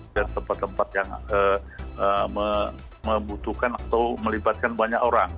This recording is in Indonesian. dan tempat tempat yang membutuhkan atau melibatkan banyak orang